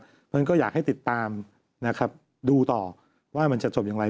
เพราะฉะนั้นก็อยากให้ติดตามนะครับดูต่อว่ามันจะจบอย่างไร